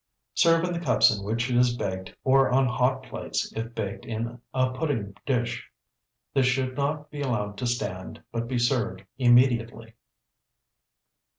Serve in the cups in which it is baked or on hot plates if baked in a pudding dish. This should not be allowed to stand, but be served immediately.